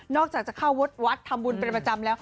อกจากจะเข้าวัดวัดทำบุญเป็นประจำแล้ว